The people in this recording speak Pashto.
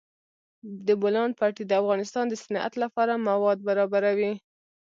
د بولان پټي د افغانستان د صنعت لپاره مواد برابروي.